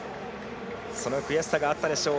その悔しさがあったでしょう。